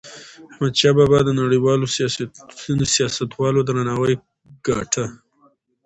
احمدشاه بابا د نړیوالو سیاستوالو درناوی ګاټه.